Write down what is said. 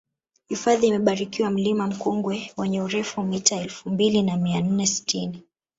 hifadhi imebarikiwa mlima nkungwe wenye urefu mita elfu mbili na mia nne sitini